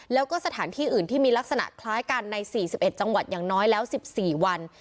แล้วก็สถานที่อื่นที่มีลักษณะคล้ายกันใน๔๑จังหวัดอย่างน้อยแล้ว๑๔วัน